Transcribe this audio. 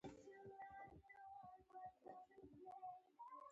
ښېرا: ببو دې ووهه!